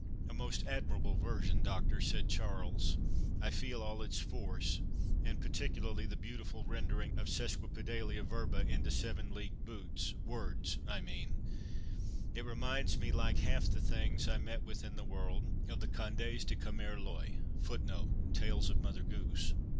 '" "A most admirable version, Doctor," said Charles; "I feel all its force, and particularly the beautiful rendering of sesquipedalia verba into seven leagued boots—words I mean—it reminds me, like half the things I meet with in this world, of the Contes de Commère L'Oye." Tales of Mother Goose.